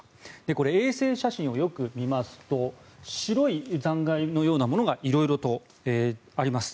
これ、衛星写真をよく見ますと白い残骸のようなものが色々とあります。